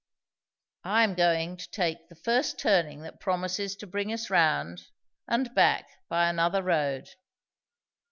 I am going to take the first turning that promises to bring us round, and back by another road.